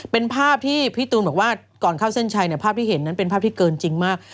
เป็นภาพที่พี่ตูนบอกว่าก่อนเข้าเส้นชัยเนี่ยภาพที่เห็นนั้นเป็นภาพที่เกินจริงมาก